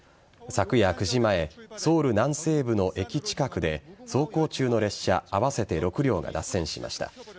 昨夜９時前、ソウル南西部の駅近くで、走行中の列車合わせて６両が脱線しました。